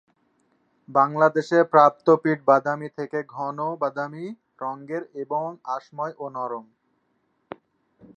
বাংলাদেশে প্রাপ্ত পিট বাদামি থেকে ঘন বাদামি রঙের এবং আঁশময় ও নরম।